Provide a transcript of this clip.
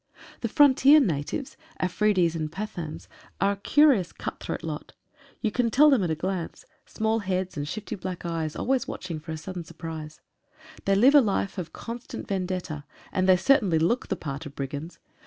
The frontier natives — Afridis and Pathans — are a curious cut throat lot. You can tell them at a glance — small heads, and shifty black eyes, always watching for a sudden surprise. They live a life of constant vendetta, and they certainly look the part of brigands.